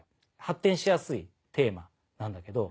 発展しやすいテーマなんだけど。